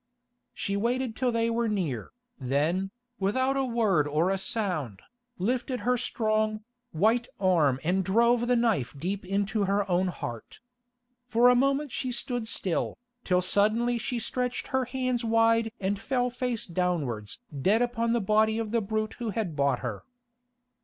She waited till they were near, then, without a word or a sound, lifted her strong, white arm and drove the knife deep into her own heart. For a moment she stood still, till suddenly she stretched her hands wide and fell face downwards dead upon the body of the brute who had bought her.